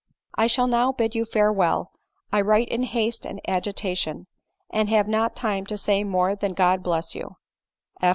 I shall now bid you farewell. I write in haste and agitation, and have not time to say more than God bless you